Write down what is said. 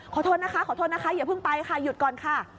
ขอโทษนะคะอย่าเพิ่งไปค่ะหยุดก่อนค่ะ